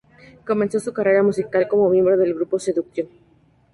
Comenzó su carrera musical como miembro del grupo Seduction.